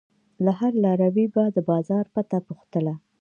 له هر لاروي به د بازار پته پوښتله.